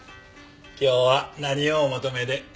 今日は何をお求めで？